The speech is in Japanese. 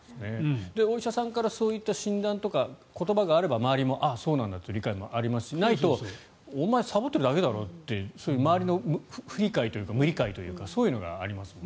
お医者さんからそういった診断とか言葉があれば周りもそうなんだという理解もありますしないとお前さぼってるだけだろってそういう周りの不理解というか無理解がありますよね。